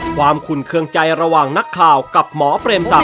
ขุนเครื่องใจระหว่างนักข่าวกับหมอเปรมศักด